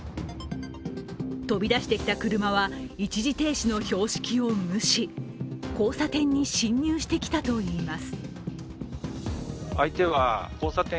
飛び出してきた車は一時停止の標識を無視、交差点に進入してきたといいます。